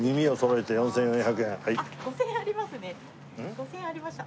５０００円ありました。